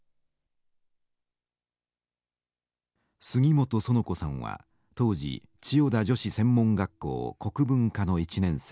杉本苑子さんは当時千代田女子専門学校国文科の１年生。